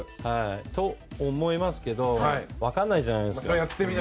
そう思いますけど分からないじゃないですか。